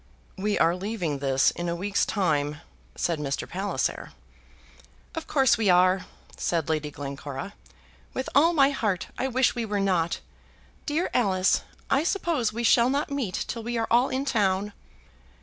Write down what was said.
"We are leaving this in a week's time," said Mr. Palliser. "Of course we are," said Lady Glencora. "With all my heart I wish we were not. Dear Alice! I suppose we shall not meet till we are all in town."